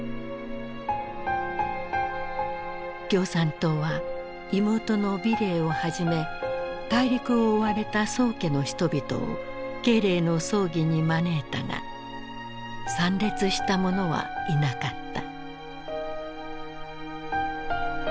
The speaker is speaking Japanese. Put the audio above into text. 共産党は妹の美齢をはじめ大陸を追われた宋家の人々を慶齢の葬儀に招いたが参列した者はいなかった。